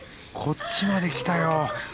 こっちまできたよ。